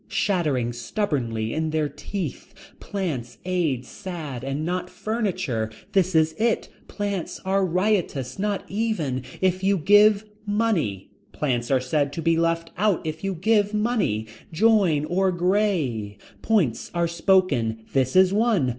Shattering stubbornly in their teeth. Plants aid sad and not furniture. This is it. Plants are riotous. Not even. If you give money. Plants are said to be left out if you give money. Join or gray. Points are spoken. This in one.